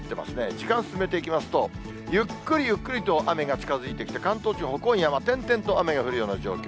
時間進めていきますと、ゆっくりゆっくりと雨が近づいてきて、関東地方、今夜は点々と雨が降るような状況。